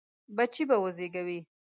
بچي به وزېږوي.